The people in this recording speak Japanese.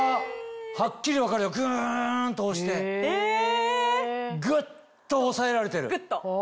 はっきり分かるよぐんと押してぐっとおさえられてる。